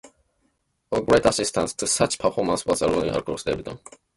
Of greater assistance to such performance was Erwin Jacobi's published edition.